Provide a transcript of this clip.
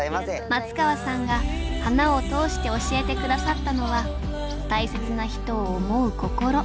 松川さんが花を通して教えて下さったのは大切な人を思う心。